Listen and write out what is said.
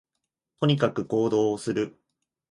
とにかく行動する